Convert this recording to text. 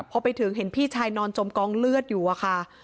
พอไปถึงเห็นพี่ชายนอนจมกองเลือดอยู่อะค่ะ